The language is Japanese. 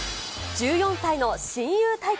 １４歳の親友対決。